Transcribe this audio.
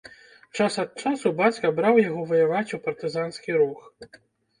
Час ад часу бацька браў яго ваяваць у партызанскі рух.